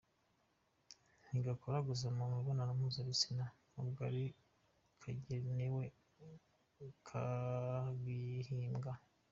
Ntigakora gusa mu mibonano mpuzabitsina n’ubwo aricyo kagenewe kagihimbwa.